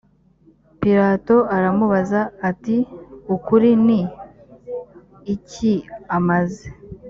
pilato aramubaza ati ukuri ni iki amaze